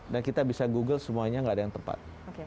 dan kita bisa google semuanya tidak ada yang tepat